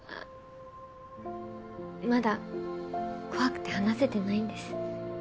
まだ怖くて話せてないんです。